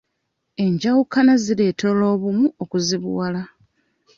Enjawukana zireetera obumu okuzibuwala.